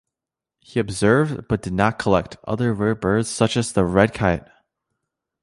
He observed, but did not collect, other rare birds such as the red kite.